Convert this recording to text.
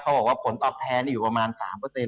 เขาบอกว่าผลตอบแทนอยู่ประมาณ๓เลยนะ